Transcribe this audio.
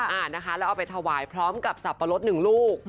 อ่านะคะแล้วเอาไปถวายพร้อมกับสับปะรดหนึ่งลูก